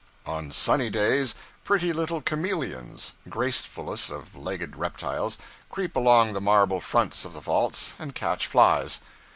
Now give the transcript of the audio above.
On sunny days, pretty little chameleons gracefullest of legged reptiles creep along the marble fronts of the vaults, and catch flies.